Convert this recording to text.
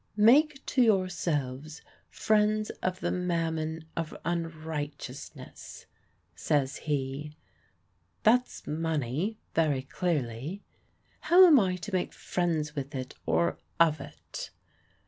"'Make to yourselves friends of the mammon of unrighteousness,'" says he: "that's money, very clearly. How am I to make friends with it or of it?